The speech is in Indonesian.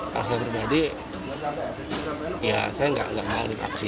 kalau saya berbadi ya saya nggak mau divaksin